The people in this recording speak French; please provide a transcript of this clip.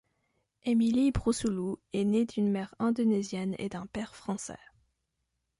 Émilie Broussouloux est née d'une mère indonésienne et d'un père français.